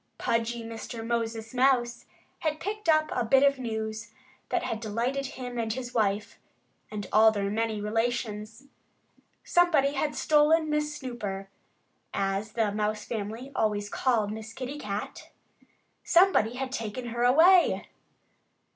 Pudgy Mr. Moses Mouse had picked up a bit of news that delighted him and his wife and all their many relations. Somebody had stolen Miss Snooper as the Mouse family always called Miss Kitty Cat! Somebody had taken her away!